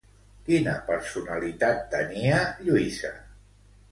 Quina personalitat tenia Lluïsa?